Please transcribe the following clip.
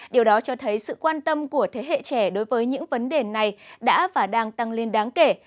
điều đó cho thấy sự quan tâm của thế hệ trẻ đối với những vấn đề này đã và đang tăng lên đáng kể